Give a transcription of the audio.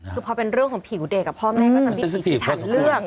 คือพอเป็นเรื่องของผิวเด็กพ่อแม่ก็จะมีสถิติทางเลือก